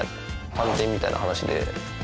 探偵みたいな話で。